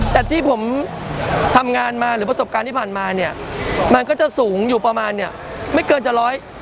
แต่ที่ผมทำงานมาหรือประสบการณ์ที่ผ่านมาเนี่ยมันก็จะสูงอยู่ประมาณเนี่ยไม่เกินจะร้อย